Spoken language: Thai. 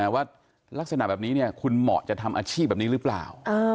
ว่าลักษณะแบบนี้คุณเหมาะจะทำอาชีพแบบนี้หรือเปล่า